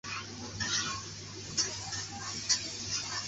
最可能的候选者是在双子座的超新星残骸杰敏卡。